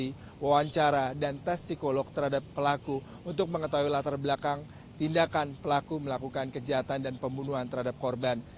ini wawancara dan tes psikolog terhadap pelaku untuk mengetahui latar belakang tindakan pelaku melakukan kejahatan dan pembunuhan terhadap korban